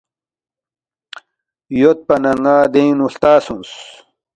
یودپا نہ ن٘ا دینگ نُو ہلتا سونگس